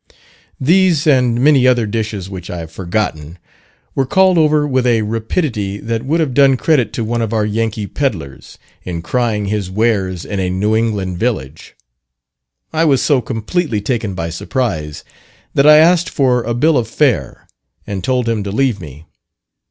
These, and many other dishes which I have forgotten, were called over with a rapidity that would have done credit to one of our Yankee pedlars, in crying his wares in a New England village. I was so completely taken by surprise, that I asked for a "bill of fare," and told him to leave me.